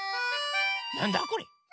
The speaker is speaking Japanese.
なんだこれ？